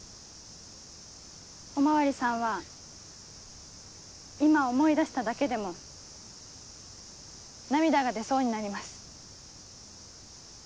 お巡りさんは今思い出しただけでも涙が出そうになります。